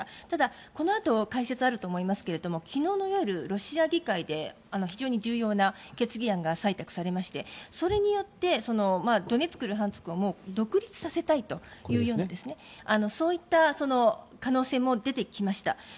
ただこのあと解説があると思いますが昨日の夜ロシア議会で非常に重要な決議案が採択されましてそれによってドネツク、ルハンスクはもう独立させたいというようなそういった可能性も出てきました。